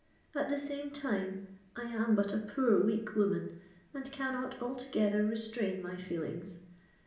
"At the same time, I am but a poor weak woman, and cannot altogether restrain my feelings.